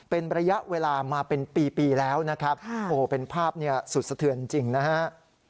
เป็นระยะเวลามาเป็นปีปีแล้วนะครับโอ้โหเป็นภาพเนี่ยสุดสะเทือนจริงนะฮะ